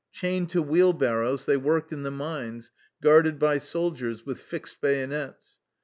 Chained to wheelbarrows they worked in the mines guarded by soldiers with fixed bayonets.